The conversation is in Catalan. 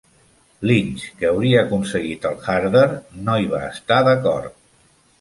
Lynch, que hauria aconseguit el "Harder", no hi va estar d'acord.